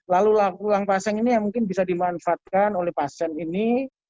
lalu pulang pasang ini yang mungkin bisa dimanfaatkan oleh pasien ini